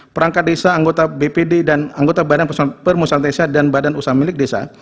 perangkat desa anggota bpd dan anggota badan permusuhan desa dan badan usaha milik desa